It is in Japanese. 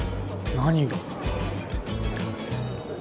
何が。